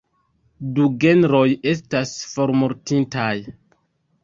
Du genroj estas formortintaj.